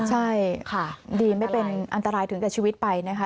ใช่ค่ะดีไม่เป็นอันตรายถึงกับชีวิตไปนะคะ